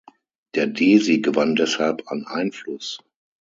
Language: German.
Der Desi gewann deshalb an Einfluss.